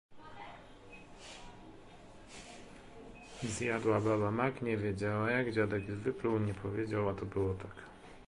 Narayan’s research is focused at the intersection of clinical cardiac electrophysiology and bioengineering.